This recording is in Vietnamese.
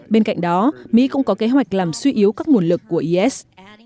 bên cạnh đó mỹ cũng có kế hoạch làm suy yếu các nguồn lực của is